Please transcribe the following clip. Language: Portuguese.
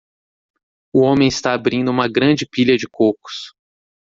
O homem está abrindo uma grande pilha de cocos.